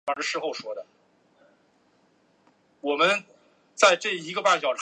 星出彰彦是一位日本宇宙航空研究开发机构的太空人。